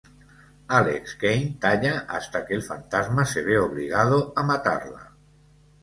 Alex Kane talla hasta que el fantasma se ve obligado a matarla.